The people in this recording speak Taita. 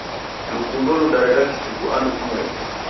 lukundo ludareda kichuku andu kumweri.